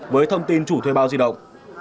với thông tin của các ngân hàng trực tuyến